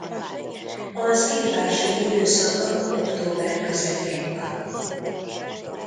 Az ívási időszaka október közepén van.